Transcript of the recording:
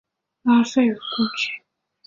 拉斐尔故居。